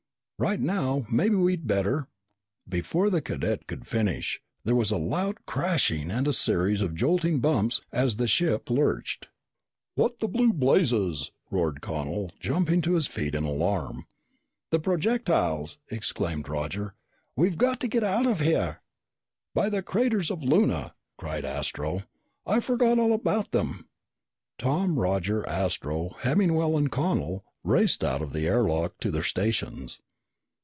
"Right now, maybe we'd better " Before the cadet could finish, there was a loud crashing and a series of jolting bumps as the ship lurched. "What the blue blazes!" roared Connel, jumping to his feet in alarm. "The projectiles!" exclaimed Roger. "We've got to get out of here!" "By the craters of Luna!" cried Astro. "I forgot all about them!" Tom, Roger, Astro, Hemmingwell, and Connel raced out of the air lock to their stations.